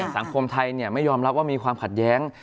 สังคมไทยไม่ยอมรับว่ามีความขัดแย้ง